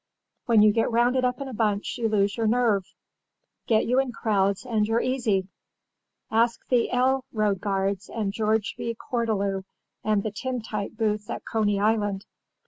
When you get rounded up in a bunch you lose your nerve. Get you in crowds and you're easy. Ask the 'L' road guards and George B. Cortelyou and the tintype booths at Coney Island.